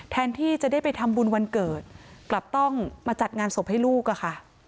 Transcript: แทนที่จะได้ไปทำบุญวันเกิดกลับต้องมาจัดงานศพให้ลูกอะค่ะ